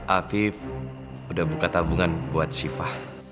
afif udah buka tabungan buat siva